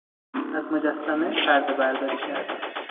از مجسمه پردهبرداری کردن